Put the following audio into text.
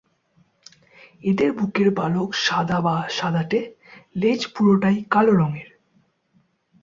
এদের বুকের পালক সাদা বা সাদাটে, লেজ পুরোটাই কালো রঙের।